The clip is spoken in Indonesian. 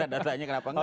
datanya kenapa nggak